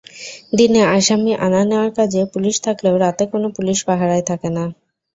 দিনে আসামি আনা-নেওয়ার কাজে পুলিশ থাকলেও রাতে কোনো পুলিশ পাহারায় থাকে না।